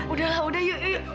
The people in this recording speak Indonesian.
udah lah udah yuk yuk